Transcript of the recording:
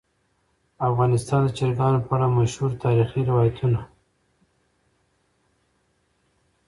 افغانستان د چرګانو په اړه مشهور تاریخی روایتونه.